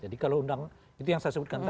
jadi kalau undang itu yang saya sebutkan tadi ya